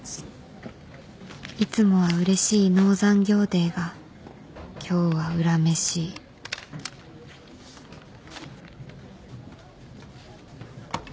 いつもはうれしい ＮＯ 残業 ＤＡＹ が今日は恨めしい